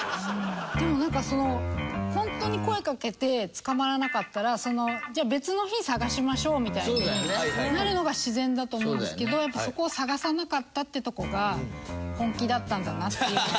でもなんかその本当に声かけてつかまらなかったらじゃあ別の日探しましょうみたいになるのが自然だと思うんですけどやっぱそこを探さなかったってとこが本気だったんだなっていうのが。